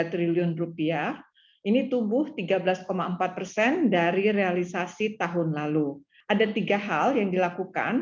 tiga triliun rupiah ini tumbuh tiga belas empat persen dari realisasi tahun lalu ada tiga hal yang dilakukan